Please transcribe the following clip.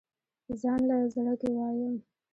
ځانله زړۀ کښې وايم